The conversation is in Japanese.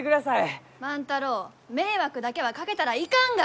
万太郎迷惑だけはかけたらいかんが！